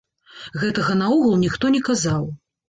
Гэтага наогул ніхто не казаў.